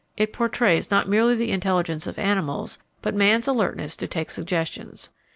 It portrays not merely the intelligence of animals, but man's alertness to take suggestions.